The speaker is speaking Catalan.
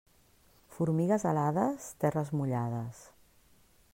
Formigues alades, terres mullades.